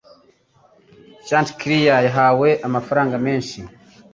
Chanticleer yahawe amafanga menshi